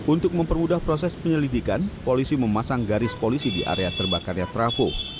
untuk mempermudah proses penyelidikan polisi memasang garis polisi di area terbakarnya trafo